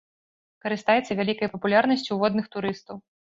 Карыстаецца вялікай папулярнасцю ў водных турыстаў.